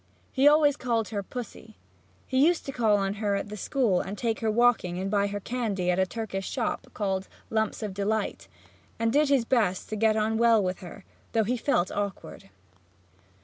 He always called her "Pussy." He used to call on her at the school and take her walking and buy her candy at a Turkish shop, called "Lumps of Delight," and did his best to get on well with her, though he felt awkward.